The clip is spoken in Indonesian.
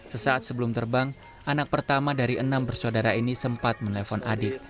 sesaat sebelum terbang anak pertama dari enam bersaudara ini sempat menelpon adik